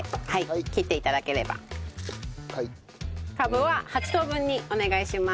カブは８等分にお願いします。